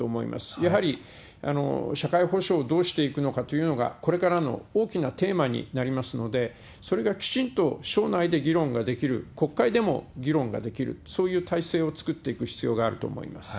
やはり社会保障をどうしていくのかというのが、これからの大きなテーマになりますので、それがきちんと省内で議論ができる、国会でも議論ができる、そういう体制を作っていく必要があると思います。